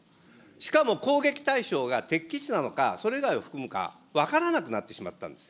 しかも攻撃対象が敵基地なのかそれ以外を含むか、分からなくなってしまったんです。